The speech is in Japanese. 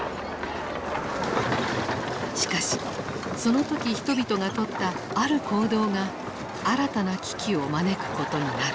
しかしその時人々が取ったある行動が新たな危機を招くことになる。